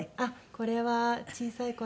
これは小さい頃ですね。